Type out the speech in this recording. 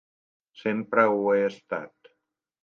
Sempre ho he estat.